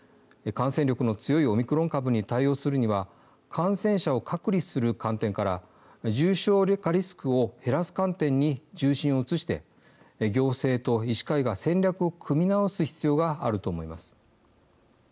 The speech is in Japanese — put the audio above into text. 感染力の強いオミクロン株に対応するには感染者を隔離する観点から重症化リスクを減らす観点に重心を移して、行政と医師会が戦略を組み直す必要があると思います。